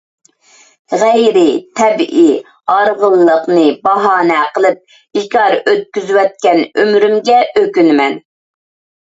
غەيرىي تەبىئىي «ھارغىنلىق »نى باھانە قىلىپ بىكار ئۆتكۈزۈۋەتكەن ئۆمرۈمگە ئۆكۈنىمەن.